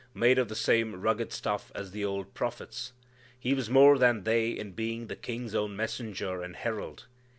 Made of the same rugged stuff as the old prophets, he was more than they in being the King's own messenger and herald.